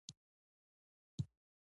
که اړتیا وي، طلاق او خلع روا دي.